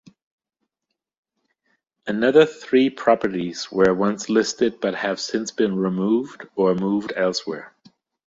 Another three properties were once listed but have since been removed or moved elsewhere.